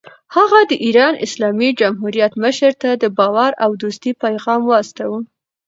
هغه د ایران اسلامي جمهوریت مشر ته د باور او دوستۍ پیغام واستاوه.